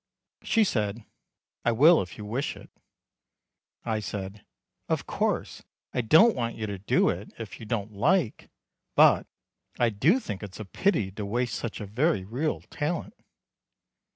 She said: "I will if you wish it." I said: "Of course I don't want you to do it, if you don't like; but I do think it's a pity to waste such a very real talent."